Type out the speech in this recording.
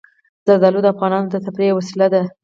زردالو د افغانانو د تفریح یوه وسیله ده.